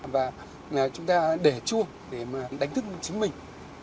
và chúng ta để chuông để mà đánh thức chính mình